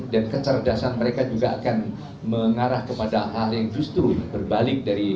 dan kecerdasan mereka juga akan mengarah kepada hal yang justru berbalik dari polos